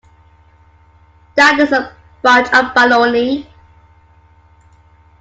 That is a bunch of baloney.